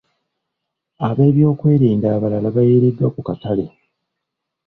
Abeebyokwerinda abalala baayiiriddwa ku katale